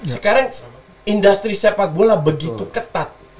sekarang industri sepak bola begitu ketat